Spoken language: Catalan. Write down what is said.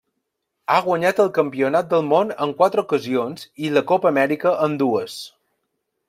Ha guanyat el campionat del món en quatre ocasions i la Copa Amèrica en dues.